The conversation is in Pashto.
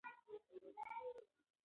آیا مالیکول د اوبو د جوړښت اساس دی؟